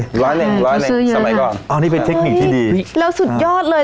ร้อยเงินร้อยเงินสมัยก่อนอ๋อนี่เป็นเทคนิคที่ดีเราสุดยอดเลย